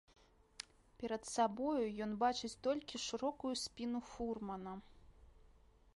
Перад сабою ён бачыць толькі шырокую спіну фурмана.